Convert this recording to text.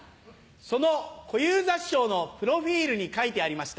その小遊三師匠のプロフィルに書いてありました。